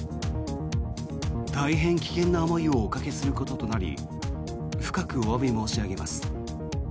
大変な危険な思いをおかけすることとなり深くおわび申し上げます。